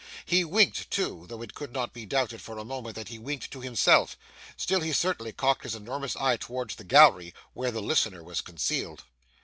He winked too, and though it could not be doubted for a moment that he winked to himself, still he certainly cocked his enormous eye towards the gallery where the listener was concealed.